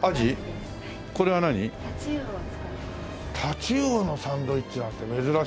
タチウオのサンドイッチなんて珍しいね。